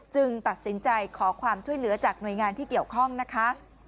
ตัดสินใจขอความช่วยเหลือจากหน่วยงานที่เกี่ยวข้องนะคะ